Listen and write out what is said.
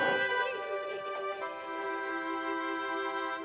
oh ini dong